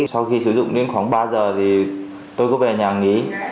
sau khi sử dụng đến khoảng ba giờ thì tôi có về nhà nhí